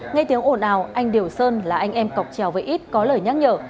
nghe tiếng ồn ào anh điều sơn là anh em cọc trèo với ít có lời nhắc nhở